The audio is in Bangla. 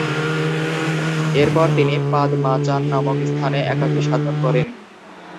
এরপর তিনি পাদ-মা-চান নামক স্থানে একাকী সাধন করেন।